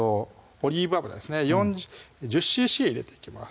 オリーブ油ですね１０ｃｃ入れていきます